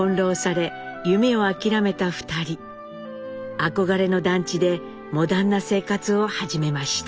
憧れの団地でモダンな生活を始めました。